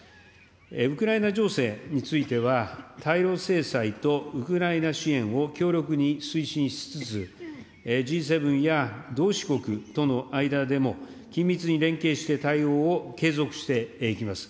ウクライナ情勢については、対ロ制裁とウクライナ支援を強力に推進しつつ、Ｇ７や同志国との間でも緊密に連携して対応を継続していきます。